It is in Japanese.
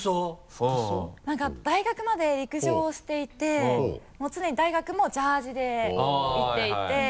なんか大学まで陸上をしていて常に大学もジャージで行っていて。